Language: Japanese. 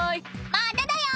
「まだだよ」